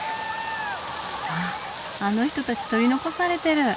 あの人たち取り残されてる。